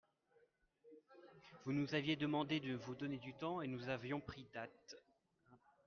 Vous nous aviez demandé de vous donner du temps, et nous avions pris date.